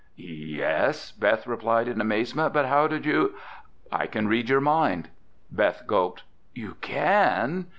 "Yes," Beth replied in amazement, "but how did you—?" "I can read your mind." Beth gulped. "You can?"